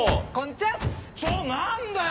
ちょっ何だよ！